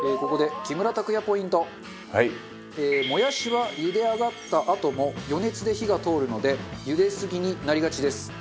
もやしは茹で上がったあとも余熱で火が通るので茹ですぎになりがちです。